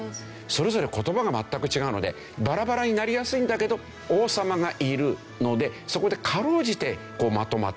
それぞれ言葉が全く違うのでバラバラになりやすいんだけど王様がいるのでそこでかろうじてまとまっている。